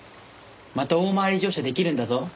また大回り乗車できるんだぞ。